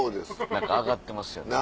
何か上がってますよね。